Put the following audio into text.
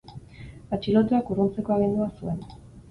Atxilotuak urruntzeko agindua zuen.